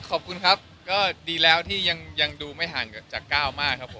ขอบคุณครับก็ดีแล้วที่ยังดูไม่ห่างจากก้าวมากครับผม